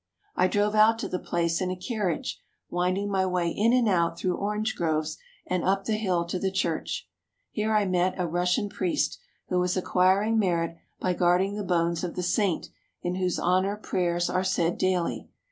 I drove out to the place in a carriage, winding my way in and out through orange groves and up the hill to the church. Here I met a Russian priest, who was acquiring merit by guarding the bones of the saint in whose honour prayers are said daily.